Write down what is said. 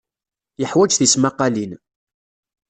Yeḥwaj tismaqqalin.